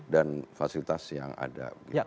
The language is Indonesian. dan fasilitas yang ada